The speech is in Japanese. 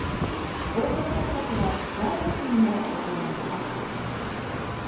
オープンキャンパスは来月にも行われます。